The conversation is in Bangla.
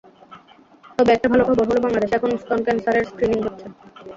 তবে একটা ভালো খবর হলো, বাংলাদেশে এখন স্তন ক্যানসারে স্ক্রিনিং হচ্ছে।